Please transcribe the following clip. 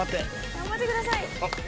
頑張ってください！